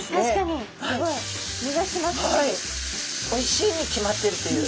おいしいに決まってるという。